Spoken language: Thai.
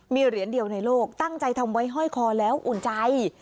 มีเหรียญเดียวในโลกตั้งใจทำไว้ห้อยคอแล้วอุ่นใจ